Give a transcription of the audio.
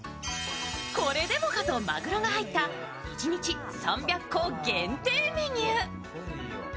これでもかと、まぐろが入った一日３００個限定メニュー。